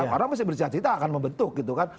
orang mesti bercita cita akan membentuk gitu kan